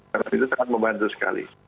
karena itu sangat membantu sekali